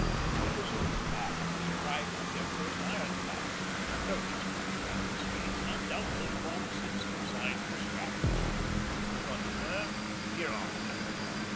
I was in Japan at the arrival of their first iron clad, purchased in the United States, and doubtless long since consigned to the scrap heap; but of her hereafter.